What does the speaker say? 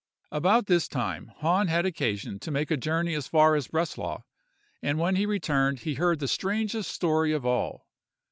"About this time, Hahn had occasion to make a journey as far as Breslau; and when he returned he heard the strangest story of all.